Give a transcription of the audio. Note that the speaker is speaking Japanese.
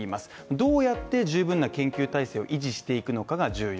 どうやって十分な研究体制を維持していくのかが重要